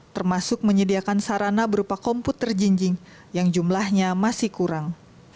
termasuk menyediakan sarana berupa komputer jinjing yang jumlahnya masih kurang